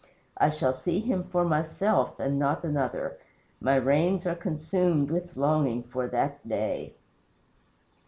I shall see him for myself and not another. My reins are consumed with longing for that day."